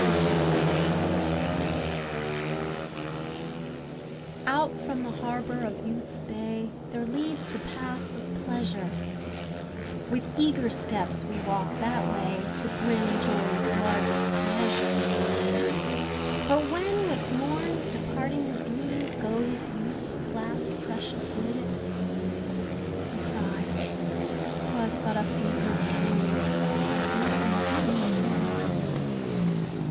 DUTY'S PATH Out from the harbour of youth's bay There leads the path of pleasure; With eager steps we walk that way To brim joy's largest measure. But when with morn's departing beam Goes youth's last precious minute, We sigh "'Twas but a fevered dream— There's nothing in it."